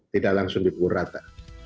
tidak langsung dipunggur rata